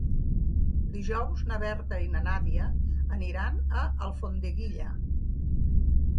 Dijous na Berta i na Nàdia aniran a Alfondeguilla.